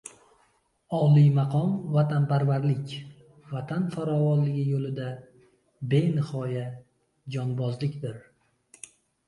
Olimaqom vatanparvarlik — vatan farovonligi yo‘lida benihoya jonbozlikdir.